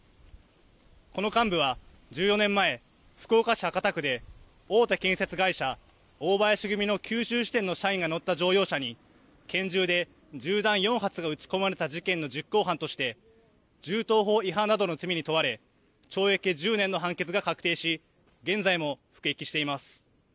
この幹部は１４年前、福岡市博多区で大手建設会社、大林組の九州支店の社員が乗った乗用車に拳銃で銃弾４発が撃ち込まれた事件の実行犯として銃刀法違反などの罪に問われ懲役１０年の判決が確定し現在も服役しています。